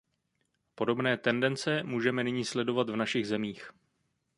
Podobné tendence můžeme nyní sledovat v našich zemích.